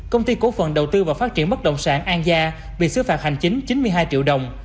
công ty cổ phần đầu tư và phát triển bất động sản an gia bị xứ phạt hành chính chín mươi hai triệu đồng